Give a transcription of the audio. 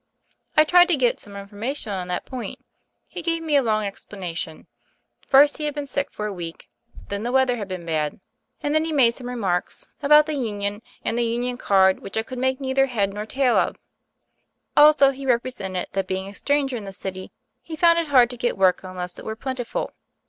"I tried to get some information on that point. He gave me a long explanation. First he had been sick for a week; then the weather had been bad; and then he made some remarks 20 THE FAIRY OF THE SNOWS about the Union and the Union Card which I could make neither head nor tail of. Also, he represented that being a stranger in the city he found it hard to get work unless it were plentiful.